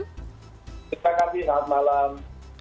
sama sama pak henry selamat malam